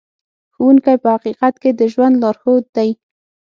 ښوونکی په حقیقت کې د ژوند لارښود دی.